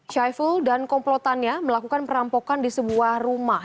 syaiful dan komplotannya melakukan perampokan di sebuah rumah